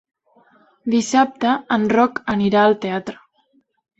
Dissabte en Roc anirà al teatre.